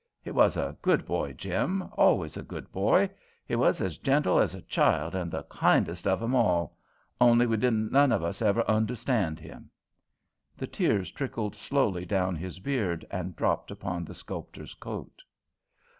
"He was a good boy, Jim; always a good boy. He was ez gentle ez a child and the kindest of 'em all only we didn't none of us ever onderstand him." The tears trickled slowly down his beard and dropped upon the sculptor's coat.